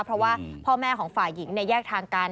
เพราะว่าพ่อแม่ของฝ่ายหญิงแยกทางกัน